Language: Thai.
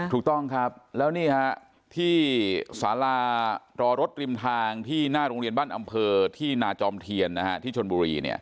ถูกต้องครับแล้วนี่ฮะที่สารารอรถริมทางที่หน้าโรงเรียนบ้านอำเภอที่นาจอมเทียนที่ชนบุรี